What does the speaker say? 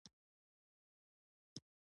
غوماشې له چاپېریاله نه د انسان بدن ته ننوځي.